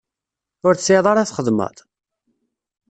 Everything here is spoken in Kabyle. Ur tesɛiḍ ara txedmeḍ?